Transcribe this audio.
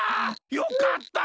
よかった。